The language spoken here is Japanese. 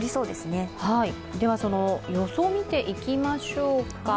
予想をみていきましょうか。